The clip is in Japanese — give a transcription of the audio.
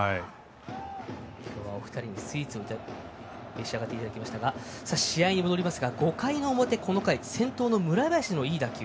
今日はお二人にスイーツを召し上がっていただきましたが試合に戻りますが、５回の表先頭の村林のいい打球。